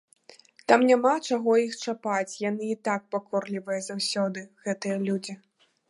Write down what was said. Там няма чаго іх чапаць, яны й так пакорлівыя заўсёды, гэтыя людзі.